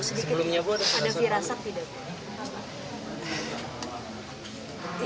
sebelumnya ada firasat tidak